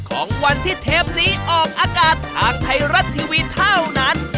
ของวันที่เทปนี้ออกอากาศทางไทยรัฐทีวีเท่านั้น